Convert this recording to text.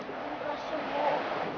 terima kasih ibu